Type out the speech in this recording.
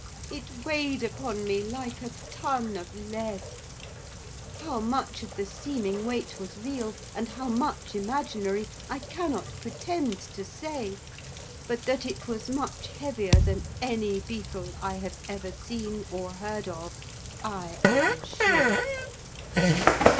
It weighed upon me like a ton of lead. How much of the seeming weight was real, and how much imaginary, I cannot pretend to say; but that it was much heavier than any beetle I have ever seen or heard of, I am sure.